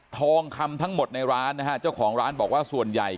ทองคำทั้งหมดในร้านนะฮะเจ้าของร้านบอกว่าส่วนใหญ่